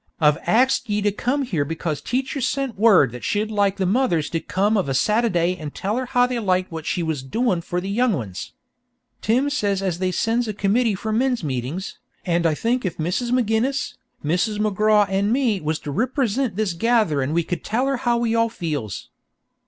"I've axed ye to come here because teacher sent word that she'd like the mothers to come of a Satady and tell her how they liked what she was doin' for the young ones. Tim says as they sends a committee from men's meetings, and I think if Mrs. McGinniss, Mrs. McGraw and me was to riprisint this gatherin' we could tell her how we all feels."